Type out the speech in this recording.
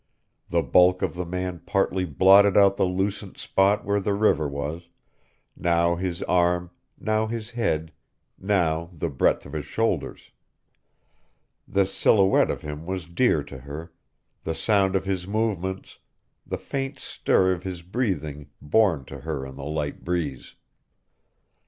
The bulk of the man partly blotted out the lucent spot where the river was now his arm, now his head, now the breadth of his shoulders. This silhouette of him was dear to her, the sound of his movements, the faint stir of his breathing borne to her on the light breeze.